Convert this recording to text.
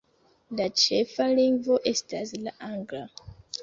La ĉefa lingvo estas la Angla.